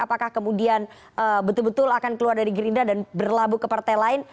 apakah kemudian betul betul akan keluar dari gerindra dan berlabuh ke partai lain